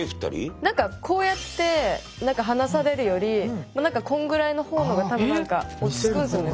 何かこうやって話されるよりこんぐらいの方のが多分何か落ち着くんすよね